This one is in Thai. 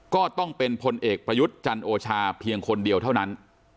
ก็ต้องเป็นพลเอกประยุทธ์จันโอชาเพียงคนเดียวเท่านั้น